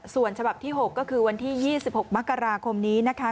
ส่วนฉบับที่๖ก็คือวันที่๒๖มกราคมนี้นะคะ